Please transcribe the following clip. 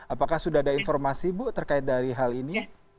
apakah sudah ada informasi bu terkait dari hal ini